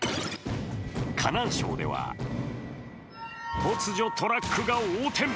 河南省では、突如トラックが横転。